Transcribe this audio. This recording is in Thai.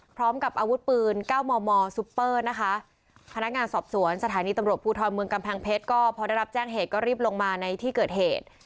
พร้อมกับอาวุธปืนเก้ามอมอซุปเปอร์นะคะพนักงานสอบสวนสถานีตำรวจภูทรเมืองกำแพงเพชรก็พอได้รับแจ้งเหตุก็รีบลงมาในที่เกิดเหตุ